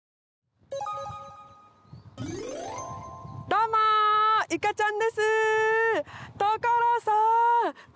どうもいかちゃんです！